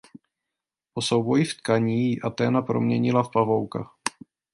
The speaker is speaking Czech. Po souboji v tkaní ji Athéna proměnila v pavouka.